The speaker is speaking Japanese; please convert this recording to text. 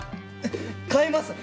買います！